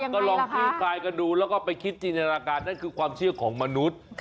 ก็ลองคิดกันดูแล้วก็ไปคิดจริงนั่นคือความเชื่อของมนุษย์